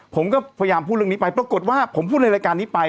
ผมก็พยายามพูดเรื่องนี้ไปปรากฏว่าผมพูดในรายการนี้ไป